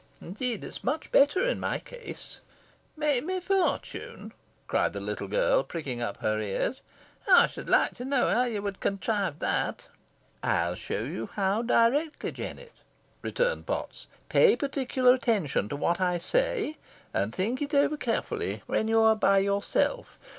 Indeed, it's much better in my case." "May my fortune!" cried the little girl, pricking up her ears, "ey should loike to knoa how ye wad contrive that." "I'll show you how directly, Jennet," returned Potts. "Pay particular attention to what I say, and think it over carefully, when you are by yourself.